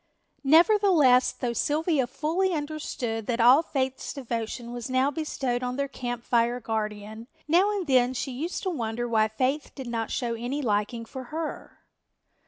Nevertheless, though Sylvia fully understood that all Faith's devotion was now bestowed on their Camp Fire guardian, now and then she used to wonder why Faith did not show any liking for her.